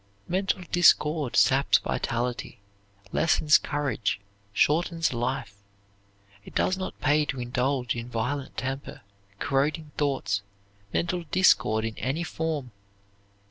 Mental discord saps vitality, lessens courage, shortens life. It does not pay to indulge in violent temper, corroding thoughts, mental discord in any form.